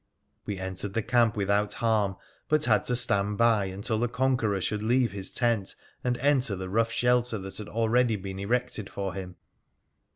We entered the camp without harm, but had to stand by until the Conqueror should leave his tent and enter the rough shelter that had already been erected for him.